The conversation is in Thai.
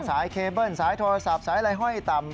สายเคเบิ้ลสายโทรศัพท์สายอะไรห้อยต่ำ